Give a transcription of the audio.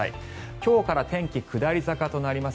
今日から天気下り坂となります。